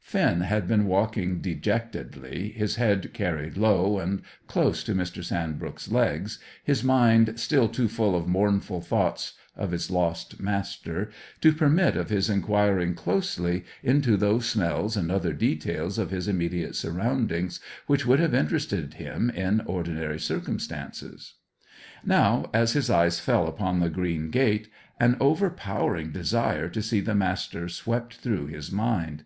Finn had been walking dejectedly, his head carried low and close to Mr. Sandbrook's legs, his mind still too full of mournful thoughts of his lost Master to permit of his inquiring closely into those smells and other details of his immediate surroundings, which would have interested him in ordinary circumstances. Now, as his eyes fell upon the green gate, an overpowering desire to see the Master swept through his mind.